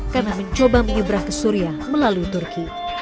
karena mencoba menyeberang ke syria melalui turki